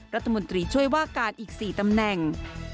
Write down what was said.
รัฐมนตรีช่วยว่าการอีก๔ตำแหน่ง